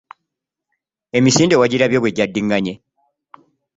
Emisinde wagirabye bwe gyaddiŋŋanye?